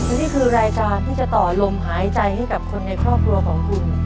และนี่คือรายการที่จะต่อลมหายใจให้กับคนในครอบครัวของคุณ